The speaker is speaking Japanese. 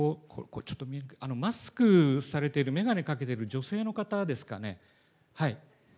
マスクされている、眼鏡かけてる女性の方ですかね。